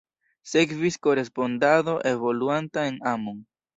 Sekvis korespondado evoluanta en amon.